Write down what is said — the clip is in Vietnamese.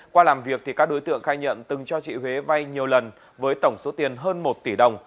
qua làm việc các đối tượng khai nhận từng cho chị huế vay nhiều lần với tổng số tiền hơn một tỷ đồng